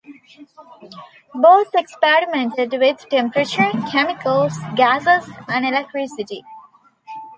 Bose experimented with temperature, chemicals, gases, and electricity.